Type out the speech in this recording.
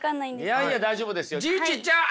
いやいや大丈夫ですよ。